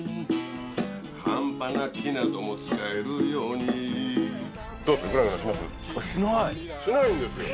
半端な木なども使えるようにしないんですよ。